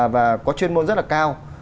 và có chuyên môn rất là cao